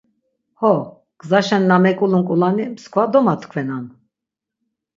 Ho, gzaşen na meǩulun ǩulani mskva domatkvenan.